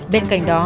bên cạnh đó